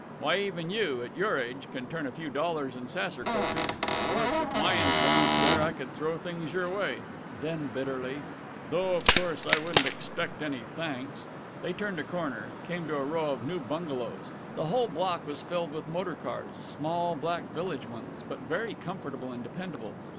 Why even you, at your age, could turn a few dollars in Saserkopee. 'Course with my influence there I could throw things your way." Then, bitterly, "Though of course I wouldn't expect any thanks!" They turned a corner, came to a row of new bungalows. The whole block was filled with motor cars, small black village ones, but very comfortable and dependable.